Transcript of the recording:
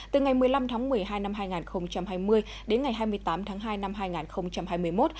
từ ngày một mươi năm tháng một mươi hai năm hai nghìn hai mươi đến ngày hai mươi tám tháng hai năm hai nghìn hai mươi một